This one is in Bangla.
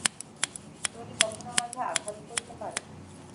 তুমি কি কখনো আমাকে আঘাত করিতে পারো–তোমাকে পাঁচজনে মন্দ পরামর্শ দিয়াছে।